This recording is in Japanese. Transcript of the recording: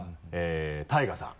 ＴＡＩＧＡさん。